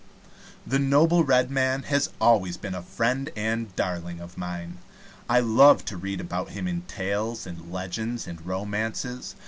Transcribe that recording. The noble Red Man has always been a friend and darling of mine. I love to read about him in tales and legends and romances.